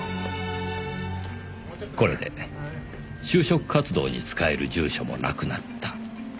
これで就職活動に使える住所もなくなった。